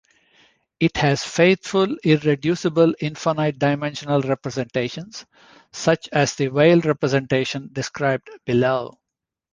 It has faithful irreducible infinite-dimensional representations, such as the Weil representation described below.